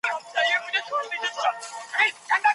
ما هره ورځ مطالعې کولي.